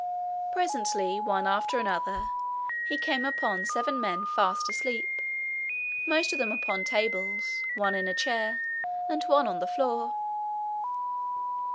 Presently, one after another, he came upon seven men fast asleep, most of them upon tables, one in a chair, and one on the floor.